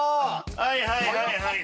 はいはいはいはい！